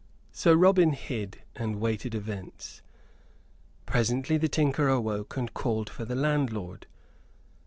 So Robin hid and waited events. Presently the tinker awoke and called for the landlord.